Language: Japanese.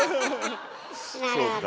なるほど。